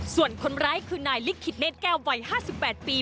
ส่วนคนร้ายคือนายลิขิตเนธแก้ววัย๕๘ปี